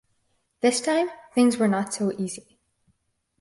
This time things were not so easy.